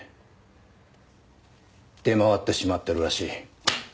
出回ってしまってるらしい。